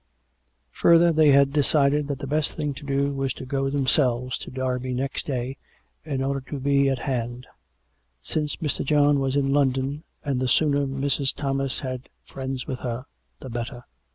Further, they had decided that the best thing to do was to go themselves to Derby next day, in order to be at hand; since Mr. John was in London, and the sooner Mrs. Thomas had friends with her, the better.